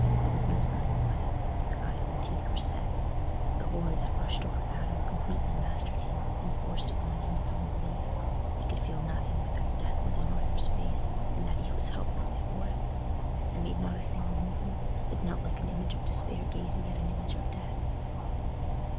There was no sign of life: the eyes and teeth were set. The horror that rushed over Adam completely mastered him, and forced upon him its own belief. He could feel nothing but that death was in Arthur's face, and that he was helpless before it. He made not a single movement, but knelt like an image of despair gazing at an image of death.